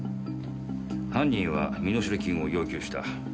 犯人は身代金を要求した。